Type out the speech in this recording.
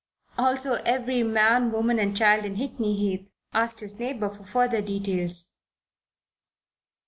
Also, every man, woman and child in Hickney Heath asked his neighbour for further details.